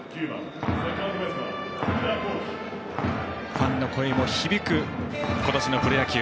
ファンの声も響く今年のプロ野球。